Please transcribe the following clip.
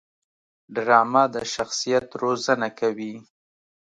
ډرامه د شخصیت روزنه کوي